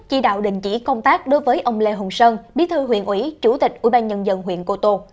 chỉ đạo đình chỉ công tác đối với ông lê hùng sơn bí thư huyện ủy chủ tịch ủy ban nhân dân huyện cô tô